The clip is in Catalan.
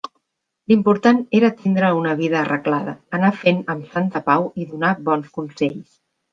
L'important era tindre una vida arreglada, anar fent amb santa pau i donar bons consells.